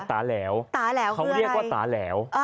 ตาเหลวคืออะไรเขาเรียกว่าตาเหลว